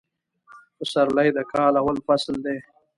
فسرلي د کال اول فصل دي